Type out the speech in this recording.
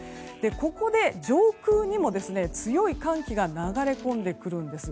ここで上空にも強い寒気が流れ込んでくるんです。